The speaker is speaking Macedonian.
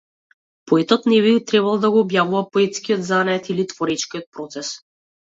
Поетот не би требал да го објаснува поетскиот занает или творечкиот процес.